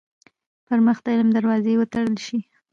پـر مـخ د عـلم دروازې وتـړل شي.